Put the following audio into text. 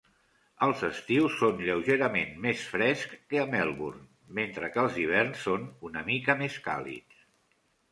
Els estius són lleugerament més frescs que a Melbourne, mentre que els hiverns són una mica més càlids.